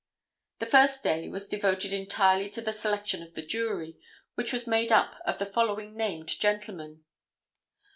The first day was devoted entirely to the selection of the Jury which was made up of the following named gentlemen.